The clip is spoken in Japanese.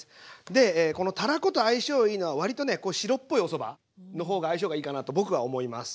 でこのたらこと相性いいのは割とね白っぽいおそばの方が相性がいいかなと僕は思います。